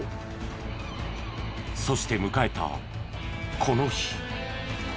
そして迎えたこの日。